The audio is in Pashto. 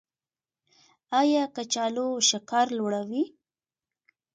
ایا کچالو شکر لوړوي؟